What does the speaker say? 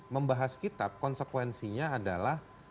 membahas kitab konsekuensinya adalah